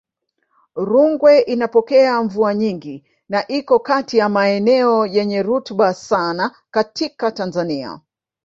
Rungwe inapokea mvua nyingi na iko kati ya maeneo yenye rutuba sana katika Tanzania